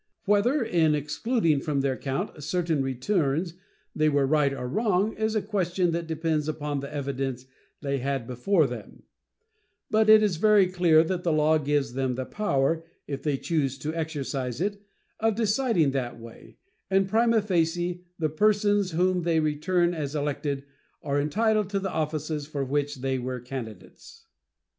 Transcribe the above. Whether in excluding from their count certain returns they were right or wrong is a question that depends upon the evidence they had before them; but it is very clear that the law gives them the power, if they choose to exercise it, of deciding that way, and, prima facie, the persons whom they return as elected are entitled to the offices for which they were candidates.